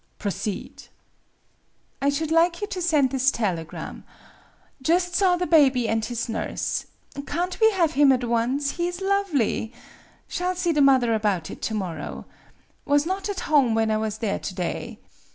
"Proceed." " I should like you to send this telegram : 'Just saw the baby and his nurse. Can't we have him at once ? He is lovely. Shall see the mother about it to morrow. Was not at home when I was there to day.